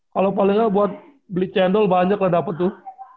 kalau paling nggak buat beli cendol banyak lah dapat tuh